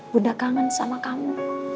bunda kangen sama kamu